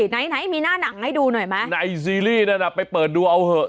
ไหนไหนมีหน้าหนังให้ดูหน่อยไหมในซีรีส์นั่นน่ะไปเปิดดูเอาเหอะ